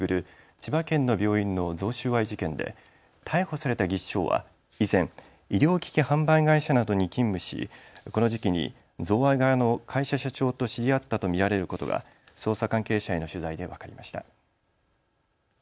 千葉県の病院の贈収賄事件で逮捕された技士長は以前、医療機器販売会社などに勤務しこの時期に贈賄側の会社社長と知り合ったと見られることが捜査関係者への取材で分かりました。